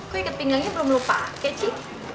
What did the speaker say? kok ikat pinggangnya belum lo pakai